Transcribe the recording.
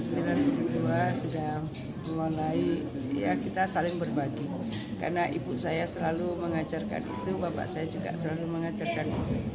sudah mulai kita saling berbagi karena ibu saya selalu mengajarkan itu bapak saya juga selalu mengajarkan